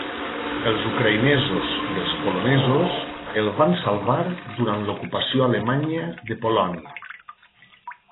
Els ucraïnesos i els polonesos el van salvar durant l'ocupació alemanya de Polònia.